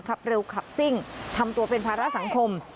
ขับเร็วขับซิ่งทำตัวเป็นภาระสังคม